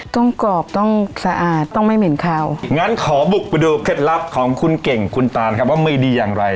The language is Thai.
กรอบต้องสะอาดต้องไม่เหม็นคาวงั้นขอบุกไปดูเคล็ดลับของคุณเก่งคุณตานครับว่าไม่ดีอย่างไร